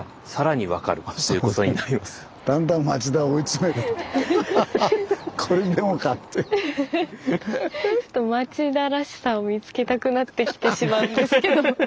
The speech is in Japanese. ちょっと町田らしさを見つけたくなってきてしまうんですけど。